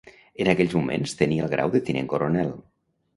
En aquells moments tenia el grau de tinent coronel.